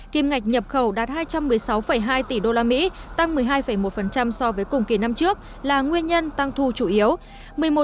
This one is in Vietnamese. kim ngạch nhập khẩu đạt hai trăm một mươi sáu hai tỷ usd tăng một mươi hai một so với cùng kỳ năm trước là nguyên nhân tăng thu chủ yếu